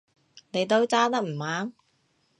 你都揸得唔啱